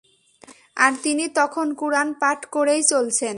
আর তিনি তখন কুরআন পাঠ করেই চলছেন।